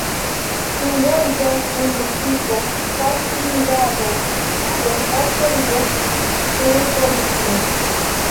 Tiu loĝas el Meksiko kaj Trinidado sude al Peruo and Bolivio.